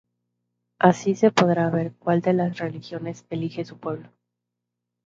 Así se podrá ver cuál de las religiones elige su pueblo.